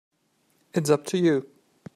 It's up to you.